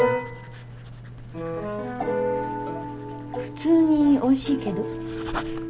普通においしいけど？